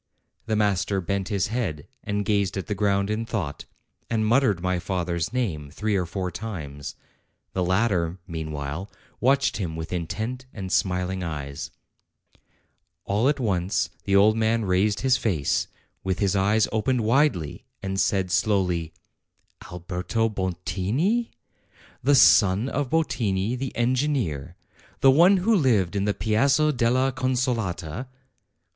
222 APRIL The master bent his head and gazed at the ground in thought, and muttered my father's name three or four times; the latter, meanwhile, watched him with intent and smiling eyes. All at once the old man raised his face, with his eyes opened widely, and said slowly : "Alberto Bottini ? the son of Bottini, the engineer? the one who lived in the Piazza della Consolata?"